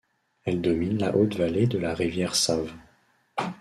Elle domine la haute vallée de la rivière Save.